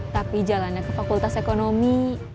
tapi jalannya ke fakultas ekonomi